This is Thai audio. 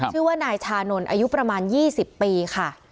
ชื่อว่านายชานนท์อายุประมาณ๒๐ปีค่ะ